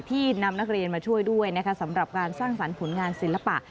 นำนักเรียนมาช่วยด้วยนะคะสำหรับการสร้างสรรค์ผลงานศิลปะ